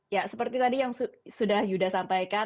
ya seperti tadi yang sudah yuda sampaikan